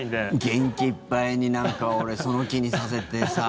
元気いっぱいになんか俺、その気にさせてさ。